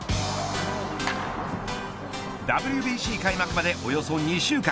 ＷＢＣ開幕までおよそ２週間。